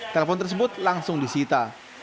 telepon tersebut langsung disita